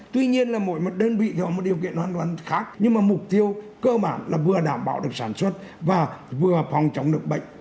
tuy nhiên là mỗi một đơn vị thì họ có một điều kiện hoàn toàn khác nhưng mà mục tiêu cơ bản là vừa đảm bảo được sản xuất và vừa phòng chống được bệnh